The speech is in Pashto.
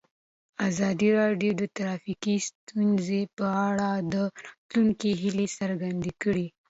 ازادي راډیو د ټرافیکي ستونزې په اړه د راتلونکي هیلې څرګندې کړې.